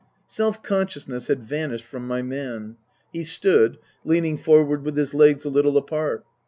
Self consciousness had vanished from my man. He stood, leaning forward with his legs a little apart.